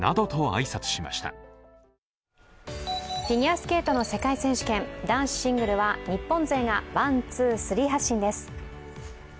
フィギュアスケートの世界選手権、男子シングルは日本勢がワン・ツー・スリー発進です。